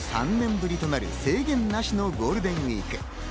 ３年ぶりとなる制限なしのゴールデンウイーク。